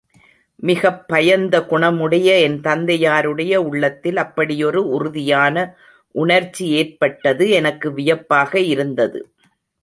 மிகப் பயந்த குணம் உடைய என் தந்தையாருடைய உள்ளத்தில் அப்படியொரு உறுதியான உணர்ச்சி ஏற்பட்டது எனக்கு வியப்பாக இருந்தது.